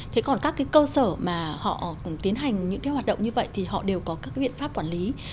thế còn các cơ sở mà họ tiến hành những hoạt động như vậy thì họ đều có các biện pháp quản lý